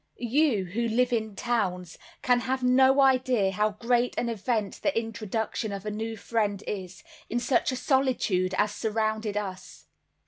You, who live in towns, can have no idea how great an event the introduction of a new friend is, in such a solitude as surrounded us.